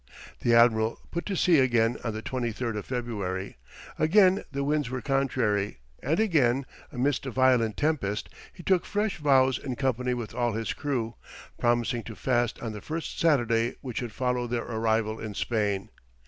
The admiral put to sea again on the 23rd of February; again the winds were contrary, and again, amidst a violent tempest, he took fresh vows in company with all his crew, promising to fast on the first Saturday which should follow their arrival in Spain.